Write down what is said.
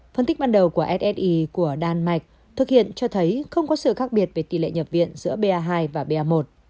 phân tích ban đầu của ssi của đan mạch thực hiện cho thấy không có sự khác biệt về tỷ lệ nhập viện giữa ba hai và ba một